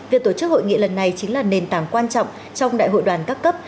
việc tổ chức hội nghị lần này chính là nền tảng quan trọng trong đại hội đoàn các cấp